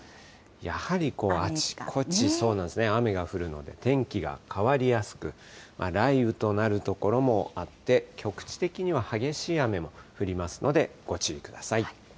やはりあちこち雨が降るので、天気が変わりやすく、雷雨となる所もあって、局地的には激しい雨も降りますので、ご注意ください。